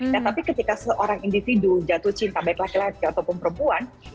nah tapi ketika seorang individu jatuh cinta baik laki laki ataupun perempuan